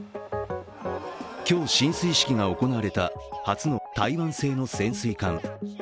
今日、進水式が行われた初の台湾製の潜水艦。